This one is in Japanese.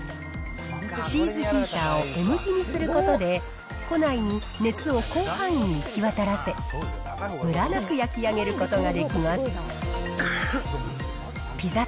シーズヒーターをＭ字にすることで、庫内に熱を広範囲にいきわたらせ、むらなく焼き上げることができます。